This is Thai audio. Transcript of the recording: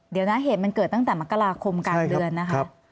เดี๋ยวนะเหตุมันเกิดตั้งแต่มกราคมกลางเดือนนะคะ